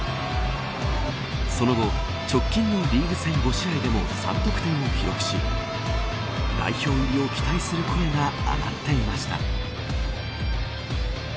その後直近のリーグ戦５試合でも３得点を記録し代表入りを期待する声が上がっていました。